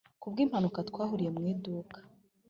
ku bw'impanuka twahuriye mu iduka